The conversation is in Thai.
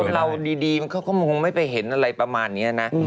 เราดีมันก็มองไม่ไปเห็นอะไรประมาณนี้นะ